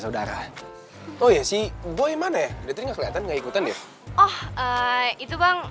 saudara oh ya sih gue mana ya detiknya kelihatan gak ikutan ya oh itu bang